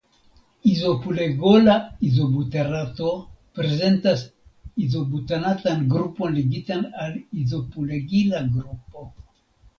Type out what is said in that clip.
Izopulegola izobuterato prezentas izobutanatan grupon ligitan al izopulegila grupo.